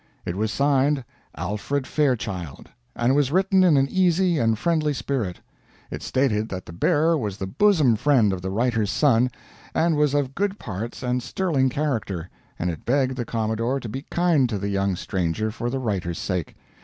It was signed Alfred Fairchild, and was written in an easy and friendly spirit. It stated that the bearer was the bosom friend of the writer's son, and was of good parts and sterling character, and it begged the Commodore to be kind to the young stranger for the writer's sake.